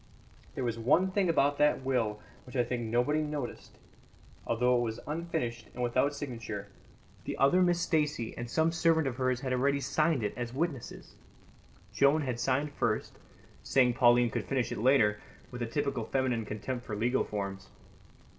There was one thing about that will that I think nobody noticed: although it was unfinished and without signature, the other Miss Stacey and some servant of hers had already signed it as witnesses. Joan had signed first, saying Pauline could finish it later, with a typical feminine contempt for legal forms.